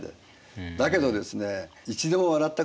だけどですね